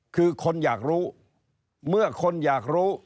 คือคนอยากรู้เมื่อคนอยากรู้